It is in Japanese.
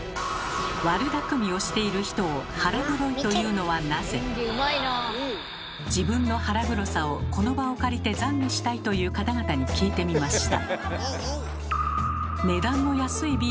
悪だくみをしている人を自分の腹黒さをこの場を借りてざんげしたいという方々に聞いてみました。